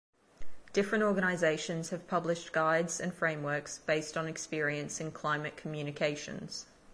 Different organizations have published guides and frameworks based on experience in climate communications.